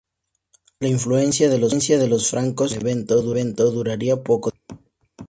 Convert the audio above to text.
La influencia de los Francos en Benevento duraría poco tiempo.